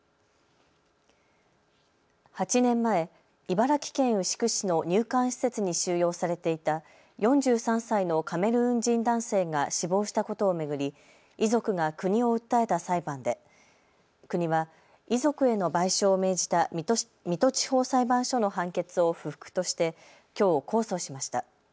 ８年前、茨城県牛久市の入管施設に収容されていた４３歳のカメルーン人男性が死亡したことを巡り、遺族が国を訴えた裁判で国は遺族への賠償を命じた水戸地方裁判所の判決を不服としてきょう、控訴しました。